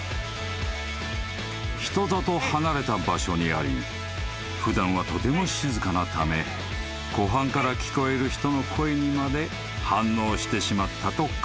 ［人里離れた場所にあり普段はとても静かなため湖畔から聞こえる人の声にまで反応してしまったと考えられる］